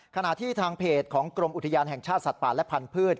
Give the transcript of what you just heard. ขณะที่ทางเพจของกรมอุทยานแห่งชาติสัตว์ป่าและพันธุ์